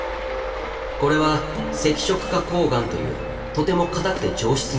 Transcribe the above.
これは赤色花こう岩というとても硬くて上質な石。